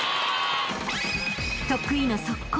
［得意の速攻］